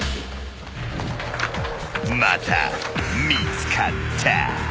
［また見つかった］